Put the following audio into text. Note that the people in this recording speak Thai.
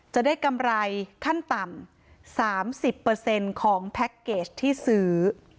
จะได้กำไรขั้นต่ำ๓๐ของแพ็คเกจที่ซื้อ